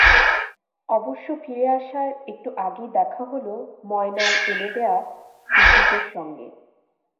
অবশ্য ফিরে আসার একটু আগেই দেখা হলো ময়নার এনে দেওয়া বিদ্যুতের সঙ্গে।